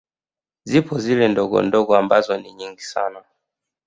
Zipo zile ndogondogo ambazo ni nyingi sana